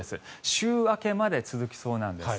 週明けまで続きそうなんです。